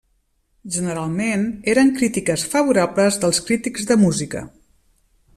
Generalment eren crítiques favorables dels crítics de música.